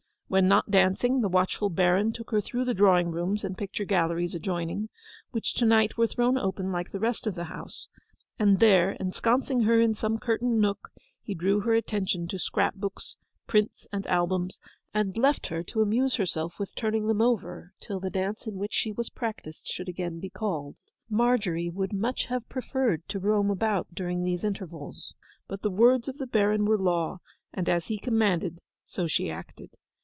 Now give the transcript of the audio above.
When not dancing the watchful Baron took her through the drawing rooms and picture galleries adjoining, which to night were thrown open like the rest of the house; and there, ensconcing her in some curtained nook, he drew her attention to scrap books, prints, and albums, and left her to amuse herself with turning them over till the dance in which she was practised should again be called. Margery would much have preferred to roam about during these intervals; but the words of the Baron were law, and as he commanded so she acted.